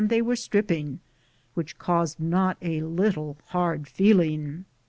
they were stripping, which caused not a lit tle hard feeling.